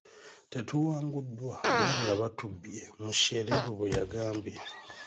"Tetuwanguddwa wabula batubbye,” Mushereru bwe yagambye.